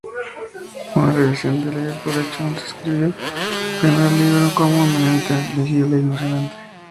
Una revisión de "Liverpool Echo" describió el primer libro como "eminentemente legible y emocionante".